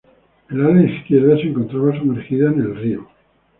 El ala izquierda se encontraba sumergida en el río.